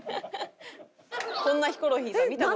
こんなヒコロヒーさん見た事ない。